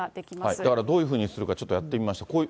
だから、どういうふうにするか、ちょっとやってみましょう。